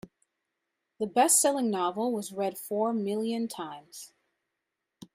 The bestselling novel was read four million times.